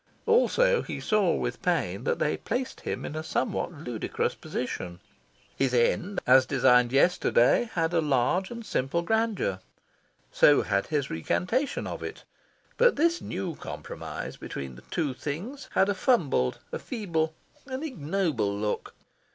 Also, he saw with pain that they placed him in a somewhat ludicrous position. His end, as designed yesterday, had a large and simple grandeur. So had his recantation of it. But this new compromise between the two things had a fumbled, a feeble, an ignoble look.